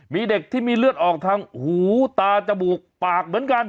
มีเด็กที่มีเลือดออกทางหูตาจมูกปากเหมือนกัน